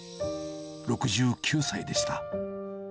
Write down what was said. ６９歳でした。